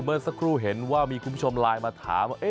เมื่อสักครู่เห็นว่ามีคุณผู้ชมไลน์มาถามว่า